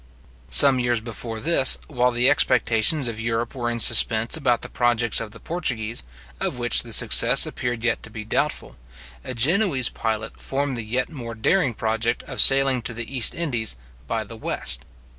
Some years before this, while the expectations of Europe were in suspense about the projects of the Portuguese, of which the success appeared yet to be doubtful, a Genoese pilot formed the yet more daring project of sailing to the East Indies by the west.